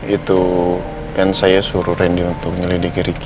itu kan saya suruh randy untuk nyelidiki ricky